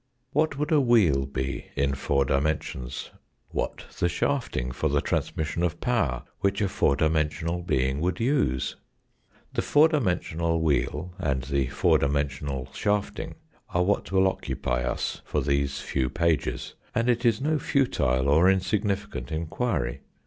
What would a wheel be in four dimensions? What the shafting for the transmission of power which a four dimensional being would use. The four dimensional wheel, and the four dimensional shafting are what will occupy us for these few pages. And it is no futile or insignificant enquiry.